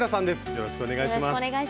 よろしくお願いします。